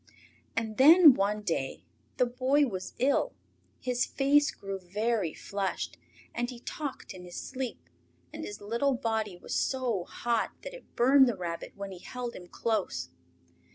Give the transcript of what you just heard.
And then, one day, the Boy was ill. His face grew very flushed, and he talked in his sleep, and his little body was so hot that it burned the Rabbit when he held him close.